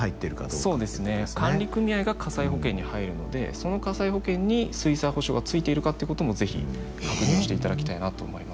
そうですね管理組合が火災保険に入るのでその火災保険に水災補償がついているかってことも是非確認をしていただきたいなと思います。